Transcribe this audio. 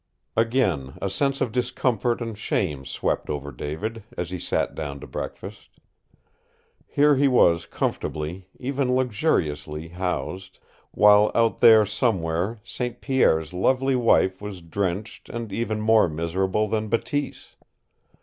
Again a sense of discomfort and shame swept over David, as he sat down to breakfast. Here he was comfortably, even luxuriously, housed, while out there somewhere St. Pierre's lovely wife was drenched and even more miserable than Bateese.